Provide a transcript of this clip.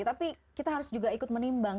tapi kita harus juga ikut menimbang